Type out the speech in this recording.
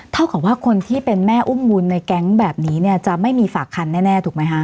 เท่ากับว่าคนที่เป็นแม่อุ้มบุญในแก๊งแบบนี้เนี่ยจะไม่มีฝากคันแน่ถูกไหมคะ